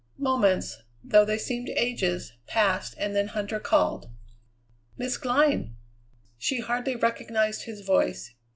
Moments, though they seemed ages, passed, and then Huntter called: "Miss Glynn!" She hardly recognized his voice.